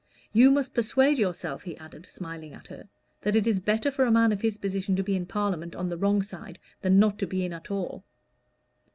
You must persuade yourself," he added, smiling at her, "that it is better for a man of his position to be in Parliament on the wrong side than not to be in at all."